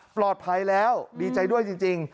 ปลอดภัยแล้วดีใจด้วยจริง